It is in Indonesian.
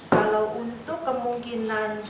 kalau untuk kemungkinan